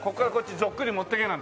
くり持っていけなんて。